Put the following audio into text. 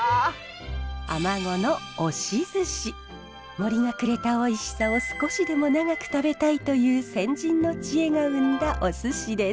森がくれたおいしさを少しでも長く食べたいという先人の知恵が生んだおすしです。